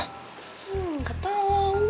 hmm nggak tau